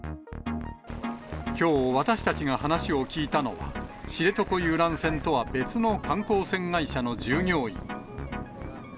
きょう、私たちが話を聞いたのは、知床遊覧船とは別の観光船会社の従業員。